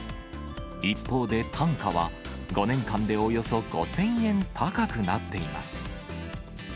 一方で単価は、５年間でおよそ５０００円高くなっています。